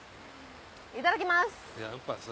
いただきます！